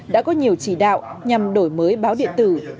đã có nhiều chỉ đạo nhằm đổi mới báo điện tử